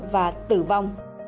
và tử vong